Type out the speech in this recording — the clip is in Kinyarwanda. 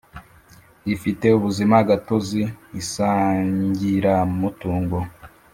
rifite ubuzima gatozi isangiramutungo